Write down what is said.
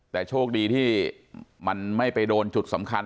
แต่โชคดีที่มันไม่ไปโดนจุดสำคัญ